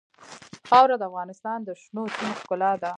خاوره د افغانستان د شنو سیمو ښکلا ده.